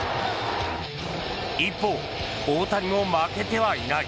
一方、大谷も負けてはいない。